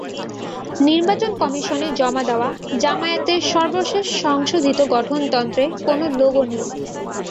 নির্বাচন কমিশনে জমা দেওয়া জামায়াতের সর্বশেষ সংশোধিত গঠনতন্ত্রে কোনো লোগো নেই।